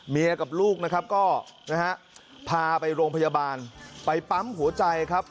กับลูกนะครับก็นะฮะพาไปโรงพยาบาลไปปั๊มหัวใจครับ